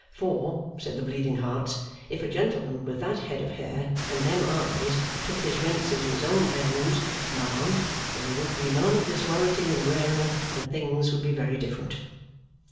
For (said the Bleeding Hearts), if a gentleman with that head of hair and them eyes took his rents into his own hands, ma'am, there would be none of this worriting and wearing, and things would be very different.